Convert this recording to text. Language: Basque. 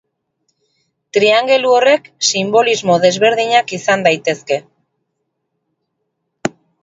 Triangelu horrek sinbolismo desberdinak izan daitezke.